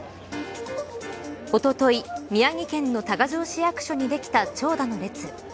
おととい、宮城県の多賀城市役所にできた長蛇のです。